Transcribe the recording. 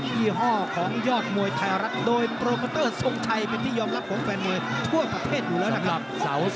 นี่คือยอดมวยไพรักษ์นะครับทุกคนเสา